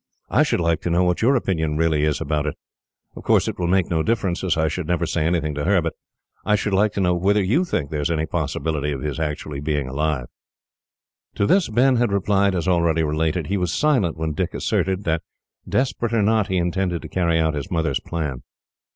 I should like to know what your opinion really is about it. Of course, it will make no difference, as I should never say anything to her; but I should like to know whether you think there is any possibility of his being alive." To this Ben had replied as already related. He was silent when Dick asserted that, desperate or not, he intended to carry out his mother's plan.